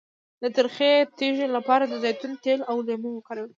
د تریخي د تیږې لپاره د زیتون تېل او لیمو وکاروئ